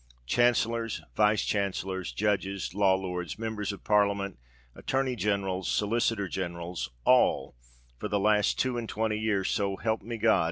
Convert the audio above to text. Chancellors—Vice Chancellors—Judges—Law Lords—Members of Parliament—Attorney Generals—Solicitor Generals—all, all for the last two and twenty years, so help me God!